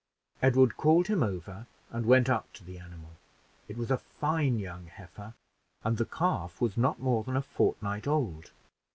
Edward called him over and went up to the animal; it was a fine young heifer, and the calf was not more than a fortnight old.